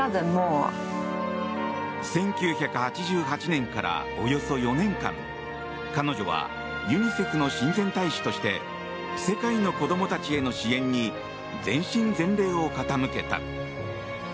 １９８８年からおよそ４年間彼女はユニセフの親善大使として世界の子供たちへの支援に全身全霊を傾けた。